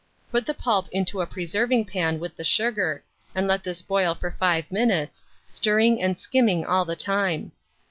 Put the pulp into a preserving pan with the sugar, and let this boil for 5 minutes, stirring and skimming all the time.